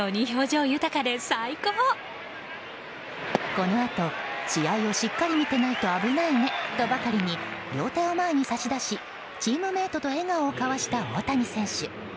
このあと試合をしっかり見ていないと危ないねとばかりに両手を前に差し出しチームメートと笑顔を交わした大谷選手。